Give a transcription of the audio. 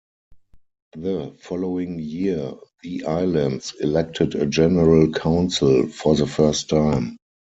The following year the islands elected a General Council for the first time.